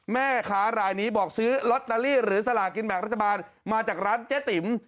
แม่ค้ารายนี้บอกซื้อลอตเตอรี่หรือสลากินแบ่งรัฐบาลมาจากร้านเจ๊ติ๋ม